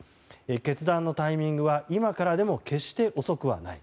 決断のタイミングは今からでも決して遅くはない。